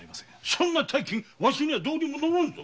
そんな大金わしにはどうにもならんぞ。